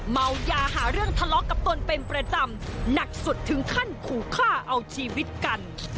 เมายาหาเรื่องทะเลาะกับตนเป็นประจำหนักสุดถึงขั้นขู่ฆ่าเอาชีวิตกัน